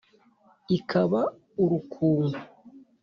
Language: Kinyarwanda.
ikaba urukungu.